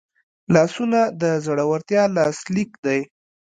لاسونه د زړورتیا لاسلیک دی